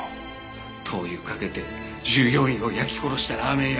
灯油かけて従業員を焼き殺したラーメン屋。